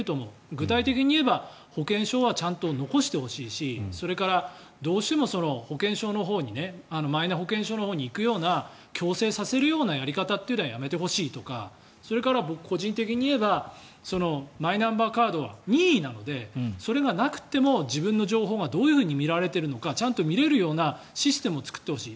具体的に言えば保険証はちゃんと残してほしいしそれからどうしてもマイナ保険証のほうに行くような強制させるようなやり方はやめてほしいとかそれから僕個人的に言えばマイナンバーカードは任意なのでそれがなくても自分の情報がどう見られているのかちゃんと見れるようなシステムを作ってほしい。